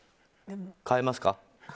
変えますか？